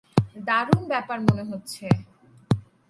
দারুণ ব্যাপার মনে হচ্ছে।